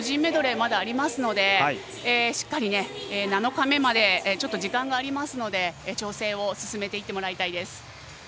まだありますのでしっかり７日目まで時間がありますので調整を進めていってもらいたいです。